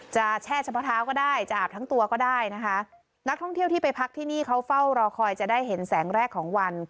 แช่เฉพาะเท้าก็ได้จะอาบทั้งตัวก็ได้นะคะนักท่องเที่ยวที่ไปพักที่นี่เขาเฝ้ารอคอยจะได้เห็นแสงแรกของวัน